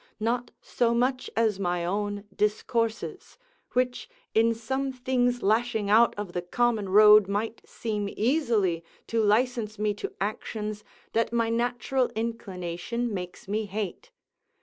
Not so much as my own discourses, which in some things lashing out of the common road might seem easily to license me to actions that my natural inclination makes me hate.